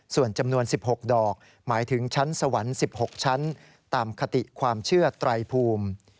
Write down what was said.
ส่วนจำนวน๑๖ดอกหมายถึงชั้นสวรรค์๑๖ชั้นตามคติความเชื่อไตรภูมิ